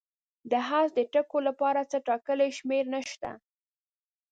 د حذف د ټکو لپاره څه ټاکلې شمېر نشته.